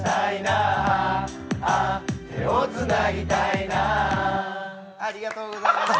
あーあー手をつなぎたいなありがとうございました。